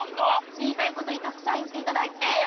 言いたいことたくさん言っていただいて。